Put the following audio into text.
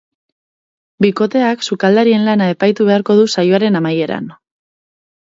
Bikoteak sukaldarien lana epaitu beharko du saioaren amaieran.